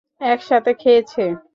এক সাথে খেয়েছে।